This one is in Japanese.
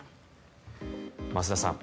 増田さん